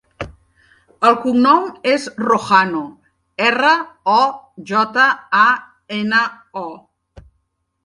El cognom és Rojano: erra, o, jota, a, ena, o.